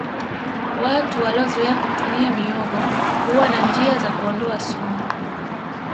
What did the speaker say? watu waliozoea kutumia mihogo huwa na njia za kuondoa sumu